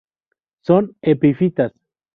Son epífitas?